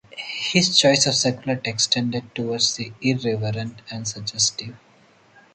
His choice of secular texts tended towards the irreverent and suggestive.